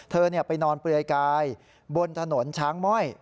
เธอไปนอนเปลือยกายบนถนนช้างม่อย